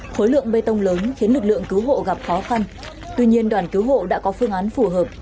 khối lượng bê tông lớn khiến lực lượng cứu hộ gặp khó khăn tuy nhiên đoàn cứu hộ đã có phương án phù hợp